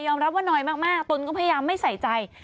รับว่าน้อยมากตนก็พยายามไม่ใส่ใจ